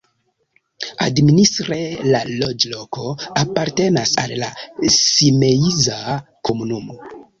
Administre la loĝloko apartenas al la Simeiza komunumo.